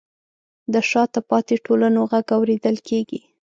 د شاته پاتې ټولنو غږ اورېدل کیږي.